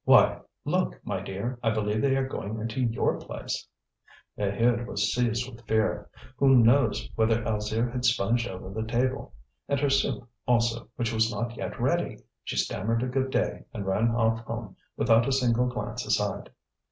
Why, look, my dear I believe they are going into your place." Maheude was seized with fear. Who knows whether Alzire had sponged over the table? And her soup, also, which was not yet ready! She stammered a good day, and ran off home without a single glance aside.